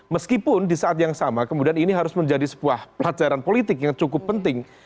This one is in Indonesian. meskipun di saat yang sama kemudian ini harus menjadi sebuah pelajaran politik yang cukup penting